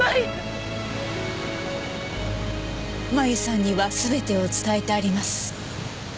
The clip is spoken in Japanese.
麻由さんには全てを伝えてあります。